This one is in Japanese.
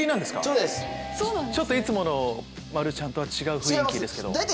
ちょっといつもの丸ちゃんとは違う雰囲気ですけど。